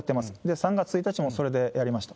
３月１日もそれでやりました。